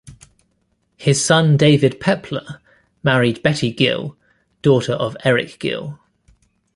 His son David Pepler married Betty Gill, daughter of Eric Gill.